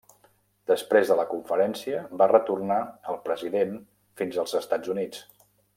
Després de la conferència, va retornar al president fins als Estats Units.